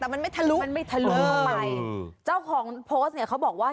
มันไม่แตกเข้าไปอะ